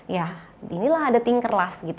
ya inilah ada tinkerlast